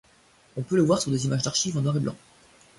On peut le voir sur des images d'archives en noir et blanc.